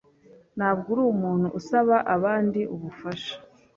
ntabwo arumuntu usaba abandi ubufasha.